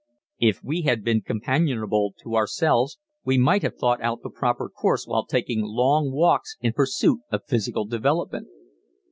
If we had been companionable to ourselves we might have thought out the proper course while taking long walks in pursuit of physical development.